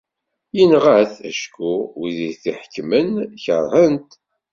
Inɣa-t acku wid t-iḥekkmen keṛhen-t.